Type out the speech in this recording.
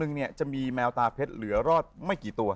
ถึงเนี่ยจะมีแมวตาเพชรเดียวแล้วไม่กี่ตัว